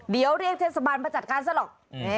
เดี๋ยวเรียกเทศบรรณประจัดการณ์ซะหรอก